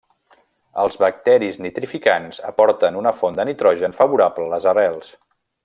Els bacteris nitrificants aporten una font de nitrogen favorable a les arrels.